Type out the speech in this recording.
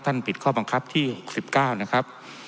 ผิดข้อบังคับที่๖๙นะครับ